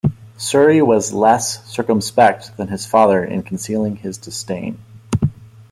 Surrey was less circumspect than his father in concealing his disdain.